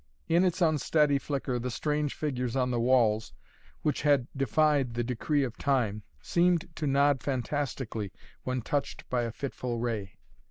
In its unsteady flicker the strange figures on the walls, which had defied the decree of Time, seemed to nod fantastically when touched by a fitful ray.